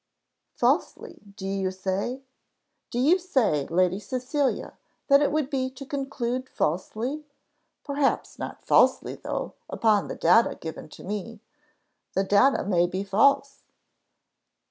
"Falsely, do you say? Do you say, Lady Cecilia, that it would be to conclude falsely? Perhaps not falsely though, upon the data given to me. The data may be false."